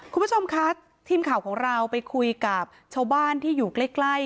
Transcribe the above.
คุณผู้ชมคะทีมข่าวของเราไปคุยกับชาวบ้านที่อยู่ใกล้